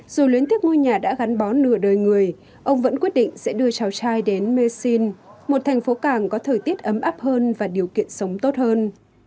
dù luyến tiếc ngôi nhà đã gắn bó nửa đời người ông vẫn quyết định sẽ đưa cháu trai đến mêin một thành phố cảng có thời tiết ấm áp hơn và điều kiện sống tốt hơn